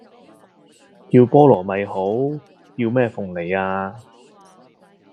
叫菠蘿咪好！叫咩鳳梨呀